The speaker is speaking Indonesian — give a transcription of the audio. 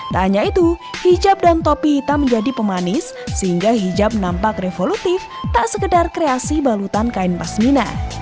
tak hanya itu hijab dan topi hitam menjadi pemanis sehingga hijab nampak revolutif tak sekedar kreasi balutan kain pasmina